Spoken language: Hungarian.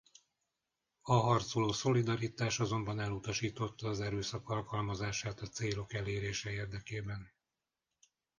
A Harcoló Szolidaritás azonban elutasította az erőszak alkalmazását a célok elérése érdekében.